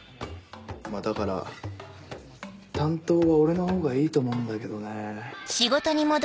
だから担当は俺の方がいいと思うんだけどね。